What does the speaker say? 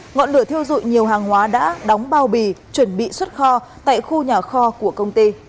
ngọn lửa thiêu dụi nhiều hàng hóa đã đóng bao bì chuẩn bị xuất kho tại khu nhà kho của công ty